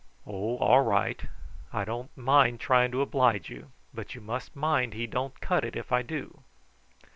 "Oh, all right! I don't mind trying to oblige you, but you must mind he don't cut it if I do."